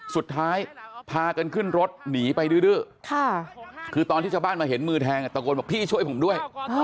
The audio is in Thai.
สุดท้ายพากันขึ้นรถหนีไปดื้อคือตอนที่ชาวบ้านมาเห็นมือแทงตะโกนบอกพี่ช่วยผมด้วย